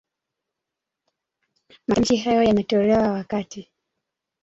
Matamshi hayo yametolewa wakati